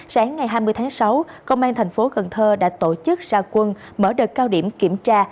sáng ngày hai mươi tháng sáu công an thành phố cần thơ đã tổ chức ra quân mở đợt cao điểm kiểm tra